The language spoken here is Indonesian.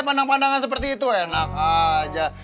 ga pandang pandangan seperti itu enak aja